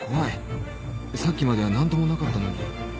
さっきまでは何ともなかったのに